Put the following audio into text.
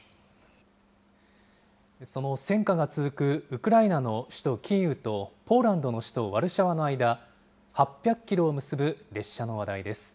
その戦渦が続くウクライナの首都キーウと、ポーランドの首都ワルシャワの間、８００キロを結ぶ列車の話題です。